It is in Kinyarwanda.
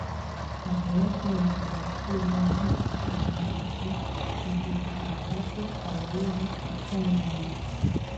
habayeho kwiyongera agaciro ndetse n’ishusho yahindutse ibyo tukavuga ko habayeho gutunganya